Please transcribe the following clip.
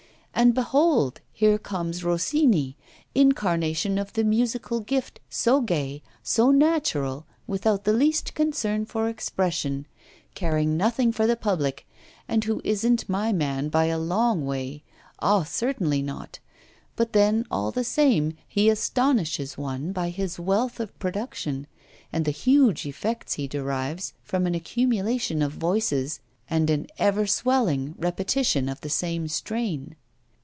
And behold, here comes Rossini, incarnation of the musical gift, so gay, so natural, without the least concern for expression, caring nothing for the public, and who isn't my man by a long way ah! certainly not but then, all the same, he astonishes one by his wealth of production, and the huge effects he derives from an accumulation of voices and an ever swelling repetition of the same strain.